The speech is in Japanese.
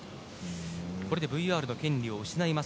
これでＶＲの権利を失います